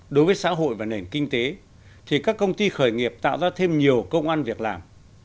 đối với xã hội và nền kinh tế thì các công ty khởi nghiệp tạo ra thêm nhiều công an việc làm